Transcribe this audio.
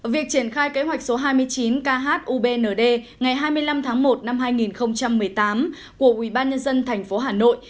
việc triển khai kế hoạch số hai mươi chín khubnd ngày hai mươi năm tháng một năm hai nghìn một mươi tám của ubnd tp hà nội